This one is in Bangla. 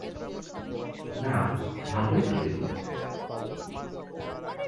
না, ভালোই তো এগুলো।